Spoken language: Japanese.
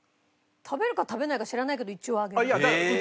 食べるか食べないか知らないけど一応あげる。